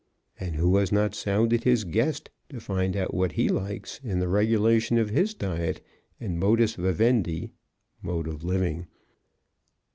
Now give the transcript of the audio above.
And who has not sounded his guest to find out what he likes in the regulation of his diet and modus vivendi (mode of living)?